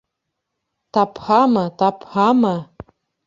Тапһамы, тапһамы...